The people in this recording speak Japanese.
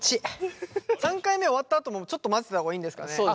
３回目終わったあともちょっと混ぜた方がいいんですかね？